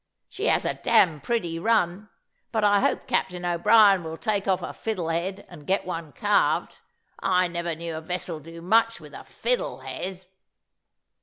She has a damned pretty run; but I hope Captain O'Brien will take off her fiddle head, and get one carved: I never knew a vessel do much with a fiddle head."